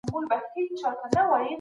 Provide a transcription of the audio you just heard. حق د الله تعالی لخوا رالېږل سوی دی.